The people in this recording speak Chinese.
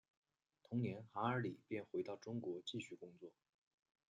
同年韩尔礼便回到中国继续工作。